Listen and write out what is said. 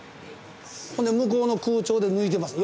ほんで向こうの空調で抜いてます